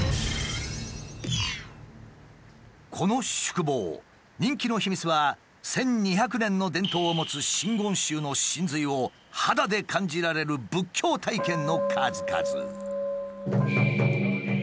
この宿坊人気の秘密は１，２００年の伝統を持つ真言宗の神髄を肌で感じられる仏教体験の数々。